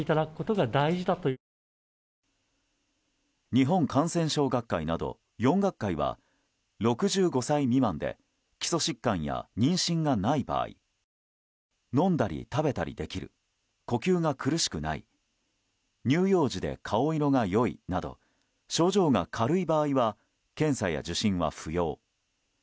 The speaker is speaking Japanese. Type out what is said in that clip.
日本感染症学会など４学会は６５歳未満で基礎疾患や妊娠がない場合飲んだり食べたりできる呼吸が苦しくない乳幼児で顔色が良いなど症状が軽い場合は検査や受診は不要。